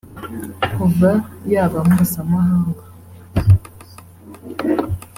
kuva yaba mpuzamahanga